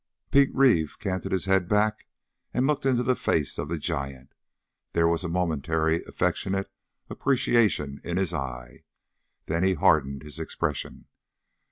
Pete Reeve canted his head back and looked into the face of the giant. There was a momentary affectionate appreciation in his eye. Then he hardened his expression.